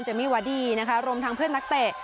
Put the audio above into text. มี่วาดี้นะคะรวมทั้งเพื่อนนักเตะ